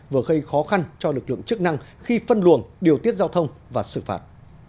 vừa gây khó khăn cho lực lượng chức năng khi phân luồng điều tiết giao thông và xử phạt